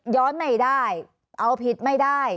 ย้อนในได้เอาผิดไม่ได้